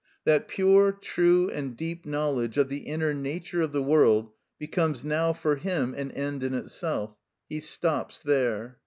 That pure, true, and deep knowledge of the inner nature of the world becomes now for him an end in itself: he stops there.